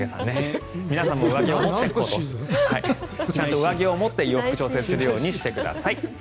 皆さんも上着を持ってちゃんと上着を持って、洋服で調整するようにしてください。